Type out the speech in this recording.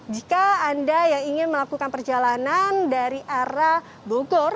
jika anda yang ingin melakukan perjalanan dari arah bogor